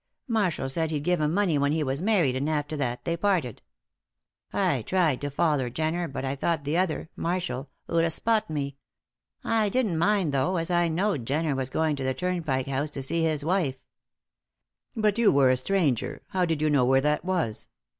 Marshall said he'd give him money when he was married and after that they parted. I tried to foller Jenner, but I thought the other Marshall 'ud spot me. I didn't mind, though, as I know'd Jenner was going to the Turnpike House to see his wife." "But you were a stranger! How did you know where that was?"